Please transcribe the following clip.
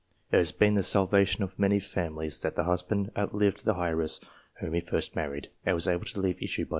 It has been the salvation of many families that the husband outlived the heiress whom he first married, and was able to leave issue by a second wife.